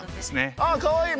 あっかわいい。